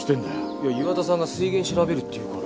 いや岩田さんが水源調べるって言うから。